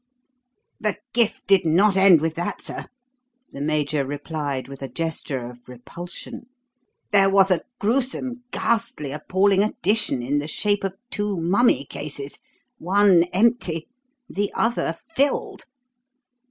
"The gift did not end with that, sir," the Major replied with a gesture of repulsion. "There was a gruesome, ghastly, appalling addition in the shape of two mummy cases one empty, the other filled.